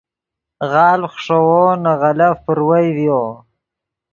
غالڤ خشوؤ نے غلف پروئے ڤیو